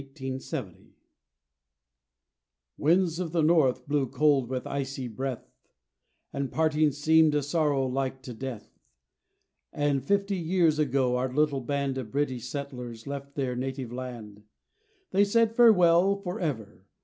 _) Winds of the North blew cold with icy breath, And parting seemed a sorrow like to death, When fifty years ago our little band Of British settlers left their native land. They said farewell for ever!